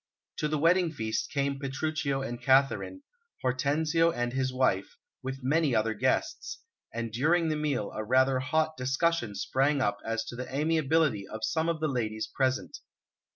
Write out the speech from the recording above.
To the wedding feast came Petruchio and Katharine, Hortensio and his wife, with many other guests, and during the meal a rather hot discussion sprang up as to the amiability of some of the ladies present.